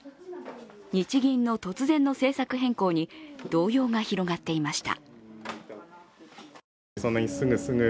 日銀の突然の政策変更に動揺が広がっていました。